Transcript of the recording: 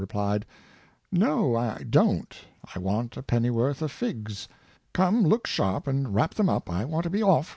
replied: *' No, I don't: I want a pennyworth of fig?: come look sharp and wrap them up; I want to be off